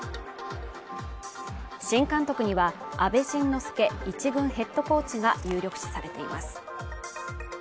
新監督には阿部慎之助１軍ヘッドコーチが有力視されています